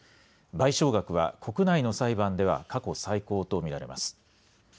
賠償額は国内の裁判では過去最高と見られます。